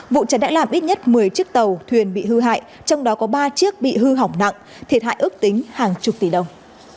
vụ cháy đã làm ít nhất một mươi chiếc tàu thuyền bị hư hại trong đó có ba chiếc bị hư hỏng nặng thiệt hại ước tính hàng chục tỷ đồng